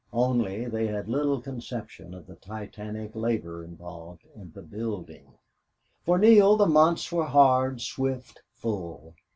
Only, they had little conception of the titanic labor involved in the building. For Neale the months were hard, swift, full.